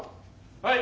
はい！